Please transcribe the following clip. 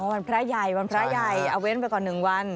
วันพระใหญ่วันพระใหญ่เอาเว้นไปก่อน๑วัน